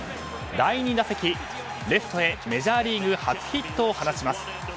第２打席、レフトへメジャーリーグ初ヒットを放ちます。